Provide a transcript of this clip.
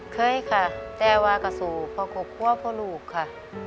เคยค่ะแต่ว่าก็สู้เพราะครอบครัวพ่อลูกค่ะ